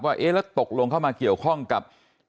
เอ๊ะแล้วตกลงเข้ามาเกี่ยวข้องกับ